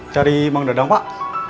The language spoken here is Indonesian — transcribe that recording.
cari mang dadang pak